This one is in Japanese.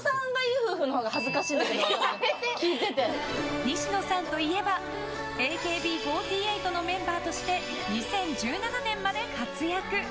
西野さんといえばＡＫＢ４８のメンバーとして２０１７年まで活躍。